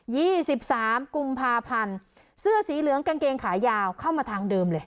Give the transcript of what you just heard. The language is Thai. สิบสามกุมภาพันธ์เสื้อสีเหลืองกางเกงขายาวเข้ามาทางเดิมเลย